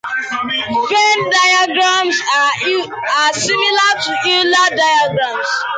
Venn diagrams are similar to Euler diagrams.